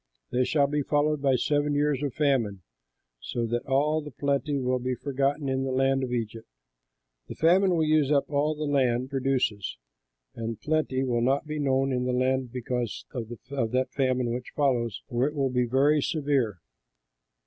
They shall be followed by seven years of famine, so that all the plenty will be forgotten in the land of Egypt. The famine will use up all that the land produces; and plenty will not be known in the land because of that famine which follows, for it will be very severe.